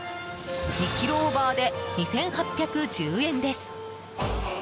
２ｋｇオーバーで２８１０円です。